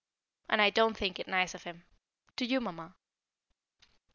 And I don't think it nice of him; do you, Mamma?